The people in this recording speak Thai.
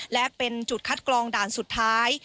และเป็นจุดคัดกรองด่านสุดท้าย